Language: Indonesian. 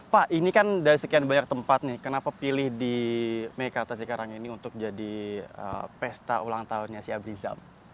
pak ini kan dari sekian banyak tempat nih kenapa pilih di meikarta sekarang ini untuk jadi pesta ulang tahunnya si abrizal